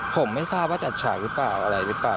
ผมไม่ทราบว่าจัดฉากหรือเปล่าอะไรหรือเปล่า